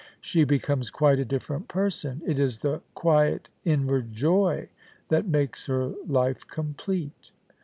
She becomes quite a different person. It is the quiet, inward joy that makes her life complete.